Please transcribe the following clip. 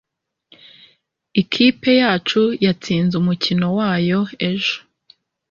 ikipe yacu yatsinze umukino wayo ejo